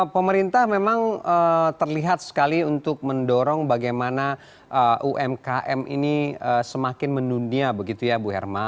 pemerintah memang terlihat sekali untuk mendorong bagaimana umkm ini semakin mendunia begitu ya bu herma